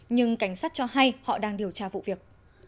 nhưng cảnh sát cho hay họ đang điều tra vụ việc